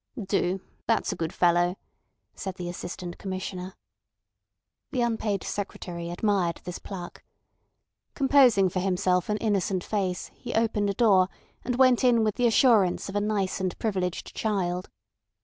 "Do. That's a good fellow," said the Assistant Commissioner. The unpaid secretary admired this pluck. Composing for himself an innocent face, he opened a door, and went in with the assurance of a nice and privileged child.